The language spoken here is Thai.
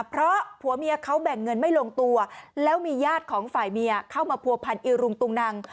เพราะผัวเมียเขาแบ่งเงินไม่ลงตัวแล้วมีญาติของฝ่ายเมียเข้ามาผัวพันอิรุงตุงนัง